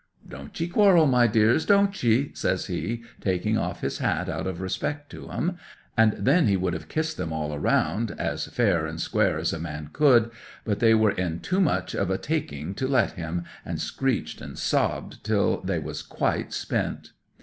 '"Don't ye quarrel, my dears—don't ye!" says he, taking off his hat out of respect to 'em. And then he would have kissed them all round, as fair and square as a man could, but they were in too much of a taking to let him, and screeched and sobbed till they was quite spent.